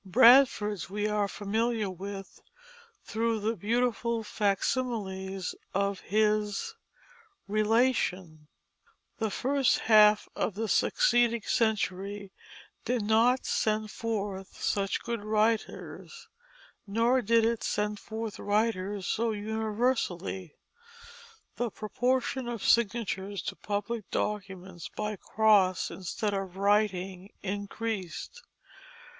Bradford's we are familiar with through the beautiful facsimiles of his Relation. The first half of the succeeding century did not send forth such good writers; nor did it send forth writers so universally; the proportion of signatures to public documents by cross instead of writing increased.